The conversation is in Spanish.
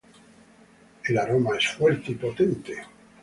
El aroma es fuerte y potente.